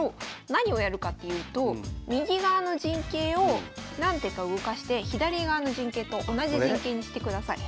何をやるかっていうと右側の陣形を何手か動かして左側の陣形と同じ陣形にしてください。